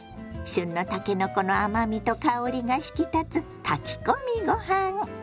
旬のたけのこの甘みと香りが引き立つ炊き込みご飯。